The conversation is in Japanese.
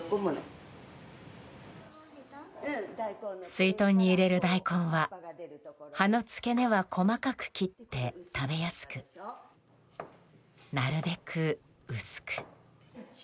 すいとんに入れる大根は葉の付け根は細かく切って食べやすくなるべく薄く。